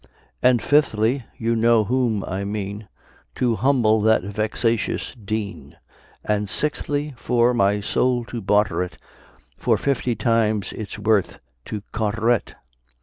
And, fifthly, you know whom I mean, To humble that vexatious Dean; And, sixthly, for my soul to barter it For fifty times its worth to Carteret.